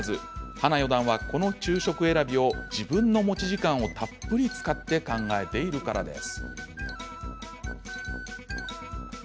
花四段は、この昼食選びを自分の持ち時間をたっぷり使って考えているからです。